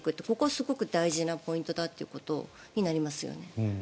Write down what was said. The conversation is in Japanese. ここはすごく大事なポイントということになりますよね。